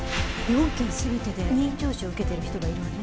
４件全てで任意聴取を受けている人がいるわね。